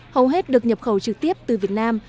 hầu hết được nhập khẩu trực tiếp từ việt nam